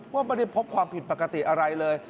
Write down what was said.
ว่าไม่ได้พบความผิดปกติอะไรเลย